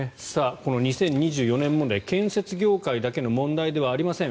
この２０２４年問題建設業界だけの問題ではありません。